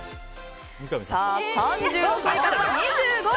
３６位から２５位。